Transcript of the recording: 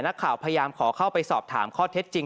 นักข่าวพยายามขอเข้าไปสอบถามข้อเท็จจริง